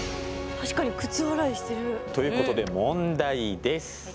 確かに靴洗いしてる。ということで問題です。